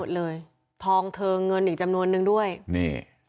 ทรัพย์สินของแด้ทรัพย์สินของแด้ทรัพย์สินของแด้ทรัพย์สินของแด้